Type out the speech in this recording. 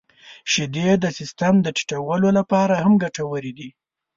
• شیدې د سیستم د ټيټولو لپاره هم ګټورې دي.